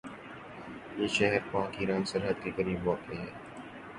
یہ شہر پاک ایران سرحد کے قریب واقع ہے